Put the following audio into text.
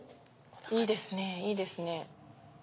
いいですねいいですね。